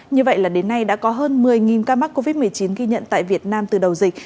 như vậy là đến nay đã có hơn một mươi ca mắc covid một mươi chín ghi nhận tại việt nam từ đầu dịch